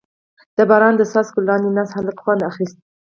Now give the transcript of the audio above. • د باران د څاڅکو لاندې ناست هلک خوند اخیست.